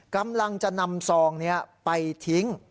กำลังจะนำซองนี้ไปทิ้ง